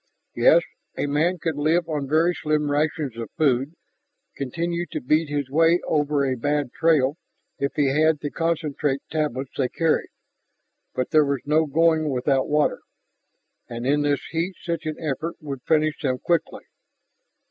Yes, a man could live on very slim rations of food, continue to beat his way over a bad trail if he had the concentrate tablets they carried. But there was no going without water, and in this heat such an effort would finish them quickly.